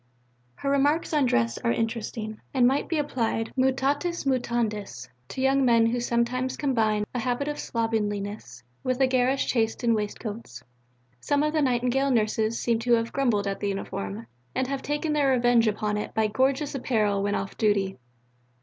Her remarks on Dress are interesting, and might be applied, mutatis mutandis, to young men who sometimes combine a habit of slovenliness with a garish taste in waistcoats. Some of the Nightingale nurses seem to have grumbled at the uniform, and to have taken their revenge upon it by gorgeous apparel when off duty.